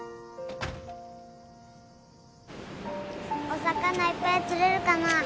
お魚いっぱい釣れるかなあ？